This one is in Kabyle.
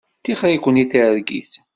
Tixeṛ-iken i targit.